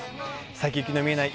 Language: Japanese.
先行きの見えない